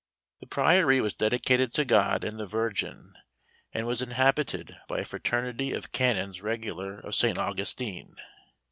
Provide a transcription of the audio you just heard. The priory was dedicated to God and the Virgin, and was inhabited by a fraternity of canons regular of St. Augustine.